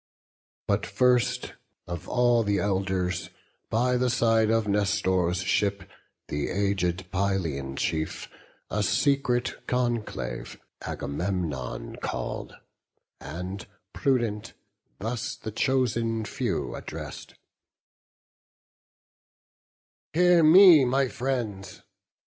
But first, of all the Elders, by the side Of Nestor's ship, the aged Pylian chief, A secret conclave Agamemnon call'd; And, prudent, thus the chosen few address'd: "Hear me, my friends!